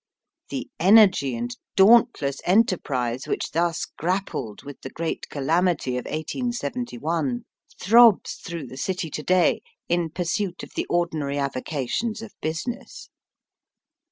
'' The energy and dauntless enterprise which thus grappled with the great calamity of 1871 throbs through the city to day in pursuit of the ordinary avocations of business.